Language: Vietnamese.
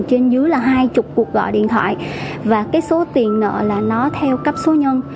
trên dưới là hai mươi cuộc gọi điện thoại và cái số tiền nợ là nó theo cấp số nhân